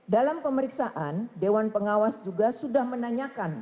dalam pemeriksaan dewan pengawas juga sudah menanyakan